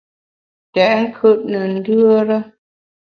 Tèt nkùt ne ndùere.